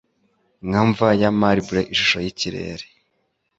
Nka mva ya marble ishusho yikirere,